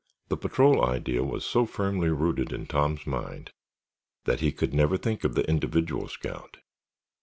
The patrol idea was so firmly rooted in Tom's mind that he could never think of the individual scout.